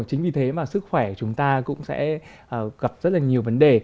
chính vì thế mà sức khỏe chúng ta cũng sẽ gặp rất là nhiều vấn đề